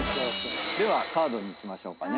ではカードにいきましょうかね。